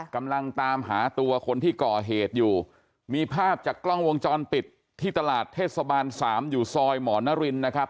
กำลังตามหาตัวคนที่ก่อเหตุอยู่มีภาพจากกล้องวงจรปิดที่ตลาดเทศบาลสามอยู่ซอยหมอนรินนะครับ